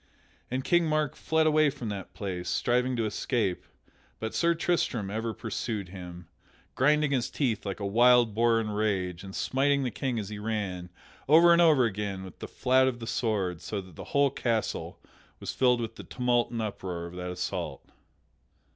And King Mark fled away from that place, striving to escape, but Sir Tristram ever pursued him, grinding his teeth like a wild boar in rage, and smiting the King as he ran, over and over again, with the flat of the sword so that the whole castle was filled with the tumult and uproar of that assault.